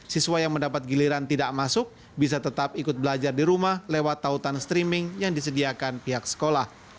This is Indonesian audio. siswa yang mendapat giliran tidak masuk bisa tetap ikut belajar di rumah lewat tautan streaming yang disediakan pihak sekolah